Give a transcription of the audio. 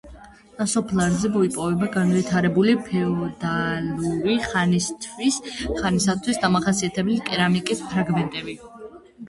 ნასოფლარზე მოიპოვება განვითარებული ფეოდალური ხანისათვის დამახასიათებელი კერამიკის ფრაგმენტები.